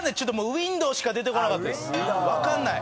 分かんない。